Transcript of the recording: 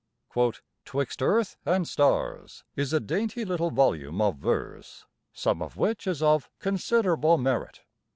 "''Twixt Earth and Stars' is a dainty little volume of verse, some of which is of considerable merit."